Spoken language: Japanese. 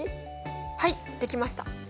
はいできました。